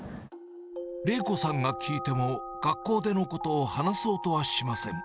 玲子さんが聞いても、学校でのことを話そうとはしません。